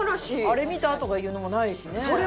あれ見た？とかいうのもないしね。